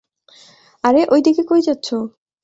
আরে, ওই দিকে কই যাচ্ছো?